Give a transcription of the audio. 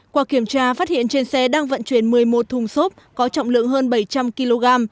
qua kiểm tra phát hiện trên xe đang vận chuyển một mươi một thùng xốp có trọng lượng hơn bảy trăm linh kg